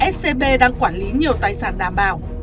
scb đang quản lý nhiều tài sản đảm bảo